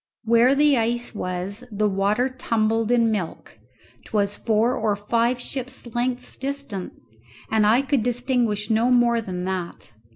Where the ice was the water tumbled in milk; 'twas four or five ship's lengths distant, and I could distinguish no more than that.